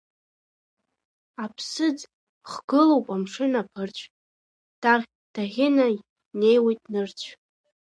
Аԥсыӡ хгылоуп амшын аԥырцә, даӷь-Даӷьына неиуеит нырцә.